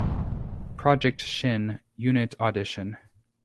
Project Shin Unit Audition.